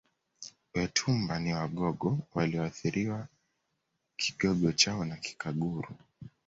Wetumba ni Wagogo walioathiriwa Kigogo chao na Kikaguru